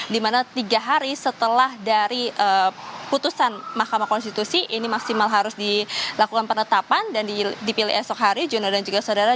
dimana tiga hari setelah dari putusan mahkamah konstitusi ini maksimal harus dilakukan penetapan dan dipilih esok hari jono dan juga saudara